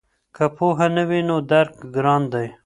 که پوهه نه وي نو درک ګران دی.